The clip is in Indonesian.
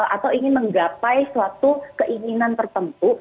atau ingin menggapai suatu keinginan tertentu